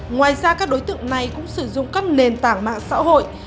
ngoài ra các đối tượng này cũng sử dụng các nền tảng mạng xã hội